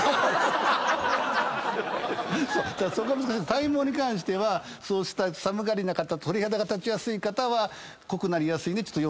体毛に関してはそうした寒がりな方鳥肌が立ちやすい方は濃くなりやすいんで要注意と。